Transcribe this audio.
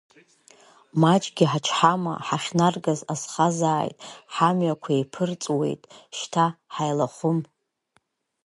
Маҷгьы ҳачҳама, ҳахьнаргаз азхазааит, ҳамҩақәа еиԥырҵуеит, шьҭа ҳаилахәым.